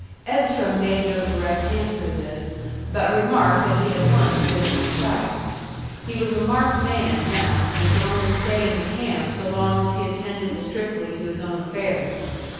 Edstrom made no direct answer to this, but remarked that he had once been in a strike. He was a marked man, now, and could only stay in the camp so long as he attended strictly to his own affairs.